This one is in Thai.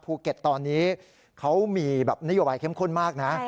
ภูเก็ตตอนนี้เขามีแบบนโยบายเข้มข้นมากนะ